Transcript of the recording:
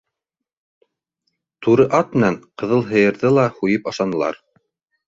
Туры ат менән ҡыҙыл һыйырҙы ла һуйып ашанылар.